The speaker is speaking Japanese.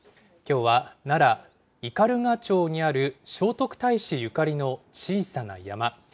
きょうは奈良・斑鳩町にある、聖徳太子ゆかりの小さな山。